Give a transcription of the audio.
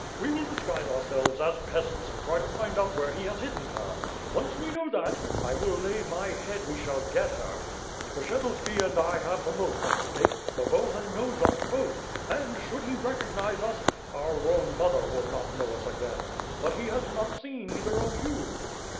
We will disguise ourselves as peasants and try to find out where he has hidden her. Once we know that, I will lay my head we shall get her. Skshetuski and I have the most at stake, for Bohun knows us both; and, should he recognize us— our own mother would not know us again. But he has not seen either of you."